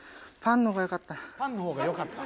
「パンの方がよかった」。